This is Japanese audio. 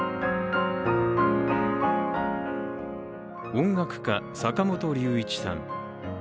音楽家・坂本龍一さん。